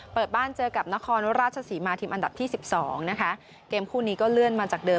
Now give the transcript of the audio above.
เปิดบ้านเจอกับนครราชศรีมาทีมอันดับที่สิบสองนะคะเกมคู่นี้ก็เลื่อนมาจากเดิ